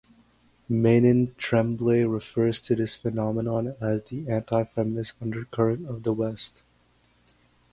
Manon Tremblay refers to this phenomenon as the "antifeminist undercurrent" of the West.